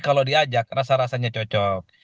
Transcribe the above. kalau diajak rasa rasanya cocok